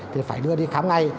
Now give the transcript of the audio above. thì phải đưa đi khám ngay